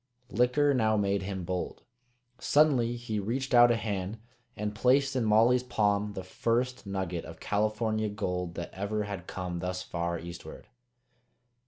Liquor now made him bold. Suddenly he reached out a hand and placed in Molly's palm the first nugget of California gold that ever had come thus far eastward.